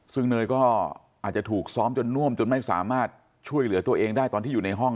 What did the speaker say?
ซึ่งเนยก็อาจจะถูกซ้อมจนน่วมจนไม่สามารถช่วยเหลือตัวเองได้ตอนที่อยู่ในห้อง